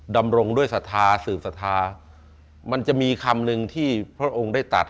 ดำรงด้วยศรัทธาสืบสัทธามันจะมีคำหนึ่งที่พระองค์ได้ตัด